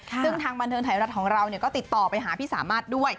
ซึ่งทางบันเทิงไทยรัฐของเราก็ติดต่อไปหาพี่สามารถด้วย